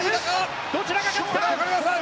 どちらが勝つか。